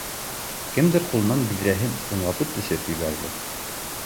Кемдер ҡулынан биҙрәһен зыңлатып төшөрөп ебәрҙе